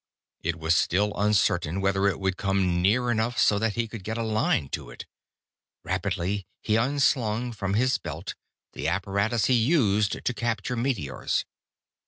It was still uncertain whether it would come near enough so that he could get a line to it. Rapidly he unslung from his belt the apparatus he used to capture meteors.